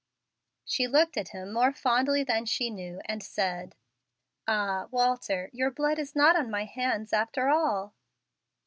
She looked at him more fondly than she knew, and said, "Ah, Walter! your blood is not on my hands after all."